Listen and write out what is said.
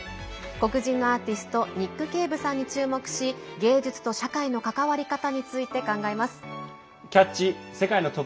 黒人のアーティストニック・ケイブさんに注目し芸術と社会の関わり方について考えます。